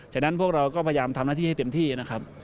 ฉะนั้นพวกเราก็พยายามทำหน้าที่ให้เต็มที่นะครับ